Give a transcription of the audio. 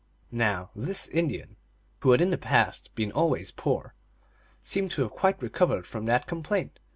Now this Indian, who had in the past been always poor, seemed to have quite recovered from that com plaint.